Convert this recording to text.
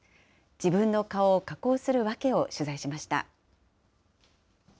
自分の顔を加工するわけを取材しました。